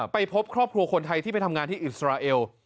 ไปพบครอบครัวคนไทยที่ไปทำงานที่อิสราเอล